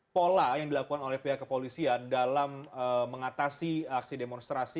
pola yang dilakukan oleh pihak kepolisian dalam mengatasi aksi demonstrasi